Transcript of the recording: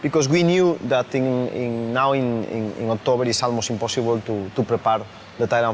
เพราะว่าเรารู้ว่าในอันที่๕นาทีมันจะไม่มีเวลาที่เราจะพักกับไทยรัม๕